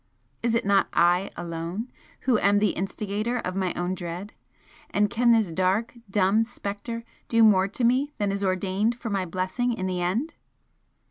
Is it not I alone who am the instigator of my own dread? and can this dark, dumb Spectre do more to me than is ordained for my blessing in the end?"